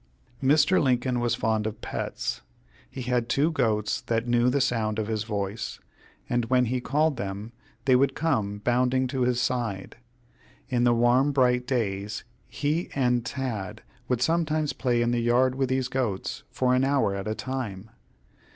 Mr. Lincoln was fond of pets. He had two goats that knew the sound of his voice, and when he called them they would come bounding to his side. In the warm bright days, he and Tad would sometimes play in the yard with these goats, for an hour at a time.